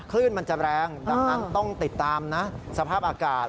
คลื่นมันจะแรงดังนั้นต้องติดตามนะสภาพอากาศ